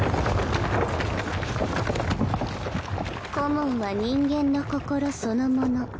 コモンは人間の心そのもの。